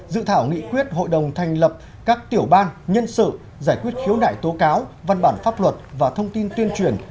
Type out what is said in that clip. dự thảo nghị quyết hội đồng thành lập các tiểu ban nhân sự giải quyết khiếu nại tố cáo văn bản pháp luật và thông tin tuyên truyền